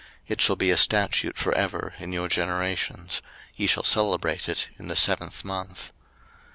It shall be a statute for ever in your generations: ye shall celebrate it in the seventh month.